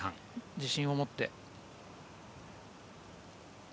自信を持って。